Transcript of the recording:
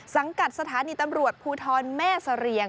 สังกัดสถานีตำรวจภูทรแม่เสรียง